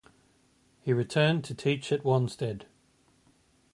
He returned to teach at Wanstead.